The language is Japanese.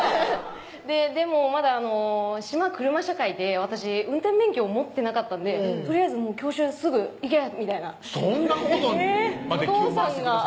でもまだ島車社会で私運転免許を持ってなかったんで「とりあえず教習すぐ行け」みたいなそんなことまで気を回してくださるの？